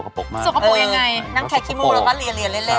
นั่งแค่ขี้มูกแล้วก็เรียนเล่น